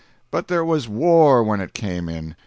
But there was war when it came in.